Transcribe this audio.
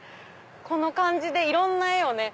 この感じでいろんな絵をね。